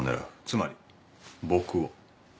つまり僕を。